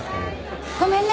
・ごめんね。